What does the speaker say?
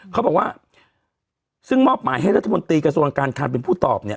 เขาบอกว่าซึ่งมอบหมายให้รัฐมนตรีกระทรวงการคังเป็นผู้ตอบเนี่ย